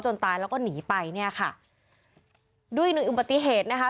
ตายแล้วก็หนีไปเนี่ยค่ะด้วยอีกหนึ่งอุบัติเหตุนะคะ